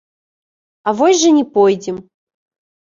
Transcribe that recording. А вось жа не пойдзем!